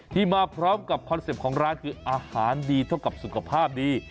มาพร้อมกับคอนเซ็ปต์ของร้านคืออาหารดีเท่ากับสุขภาพดี